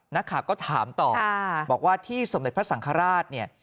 นักข่าวก็ถามต่อบอกว่าที่สมเด็จพระสังฆราชเนี่ย